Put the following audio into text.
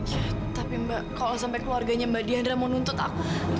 tapi mbak kalau sampai keluarganya mbak diandra mau nuntut aku